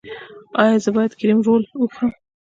ایا زه باید کریم رول وخورم؟